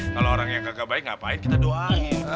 kalau orang yang kagak baik ngapain kita doain